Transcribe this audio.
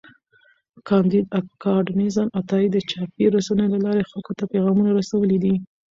کانديد اکاډميسن عطایي د چاپي رسنیو له لارې خلکو ته پیغامونه رسولي دي.